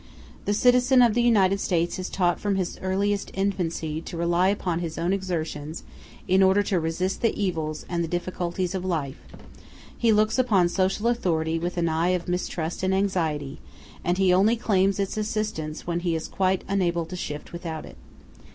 The citizen of the United States is taught from his earliest infancy to rely upon his own exertions in order to resist the evils and the difficulties of life; he looks upon social authority with an eye of mistrust and anxiety, and he only claims its assistance when he is quite unable to shift without it.